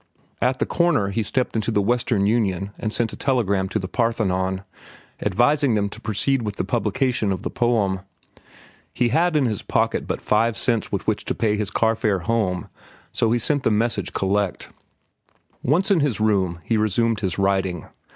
At the corner he stepped into the Western Union and sent a telegram to The Parthenon, advising them to proceed with the publication of the poem. He had in his pocket but five cents with which to pay his carfare home, so he sent the message collect. Once in his room, he resumed his writing.